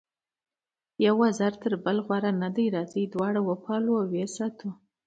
یو وزر تر بل غوره نه دی، راځئ دواړه وپالو او ویې ساتو.